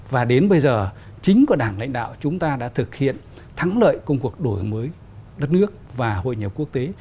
và đến bây giờ chính có đảng lãnh đạo chúng ta đã thực hiện thắng lợi công cuộc đổi mới đất nước và hội nhập quốc tế